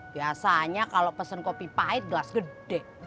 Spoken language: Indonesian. biasanya kalau pesen kopi pahit gelas gede